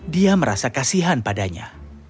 dia merasa kasihan padanya